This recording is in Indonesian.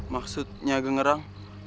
maksud nyai ageng ngerang